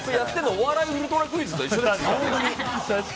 「お笑いウルトラクイズ」と一緒ですよ。